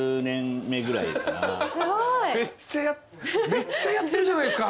めっちゃやってるじゃないですか。